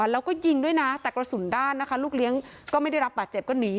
แล้วก็ยิงด้วยนะแต่กระสุนด้านนะคะลูกเลี้ยงก็ไม่ได้รับบาดเจ็บก็หนี